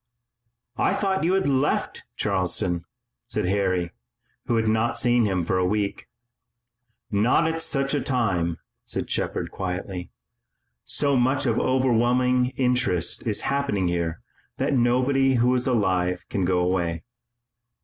"I thought you had left Charleston," said Harry, who had not seen him for a week. "Not at such a time," said Shepard, quietly. "So much of overwhelming interest is happening here that nobody who is alive can go away."